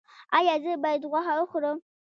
ایا زه باید غوښه وخورم؟